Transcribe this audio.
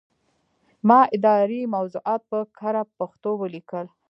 ما اداري موضوعات په کره پښتو ولیکل.